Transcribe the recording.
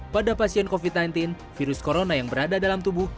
pada pasien covid sembilan belas virus corona yang berada dalam tubuh